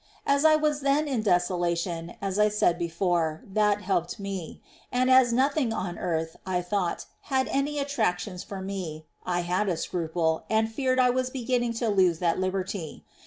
As I was then in desolation, — as I said before, — that helped me ; and as nothing on earth, I thought, had any attractions for me, I had a scruple, and feared I was beginning to lose that libert}